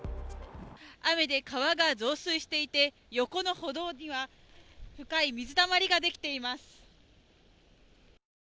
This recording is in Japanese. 雨で川が増水していて、横の歩道には深い水たまりができています。